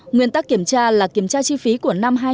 nguyên tắc kiểm tra là kiểm tra chi phí của năm hai nghìn một mươi sáu